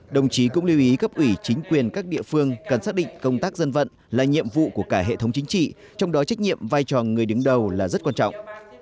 đồng chí cũng lưu ý cấp ủy chính quyền các địa phương cần xác định công tác dân vận là nhiệm vụ của cả hệ thống chính trị trong đó trách nhiệm vai trò người đứng đầu là rất quan trọng